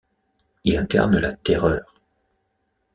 Il incarne la terreur.